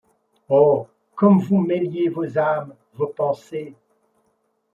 Oh ! comme vous mêliez vos âmes, vos pensées !